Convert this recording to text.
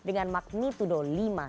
dengan makmi tudolima